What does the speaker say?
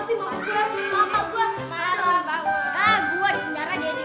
iya sayin' kuda lihat begitu kerajaannya